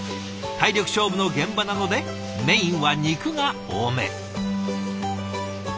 体力勝負の現場なのでメインは肉が多め。